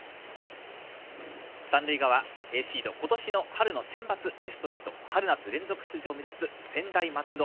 三塁側、Ａシード今年の春のセンバツベスト８春夏連続出場を目指す専大松戸。